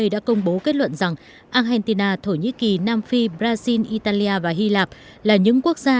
đã công bố kết luận rằng argentina thổ nhĩ kỳ nam phi brazil italia và hy lạp là những quốc gia